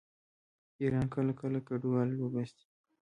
ایران کله کله کډوال وباسي.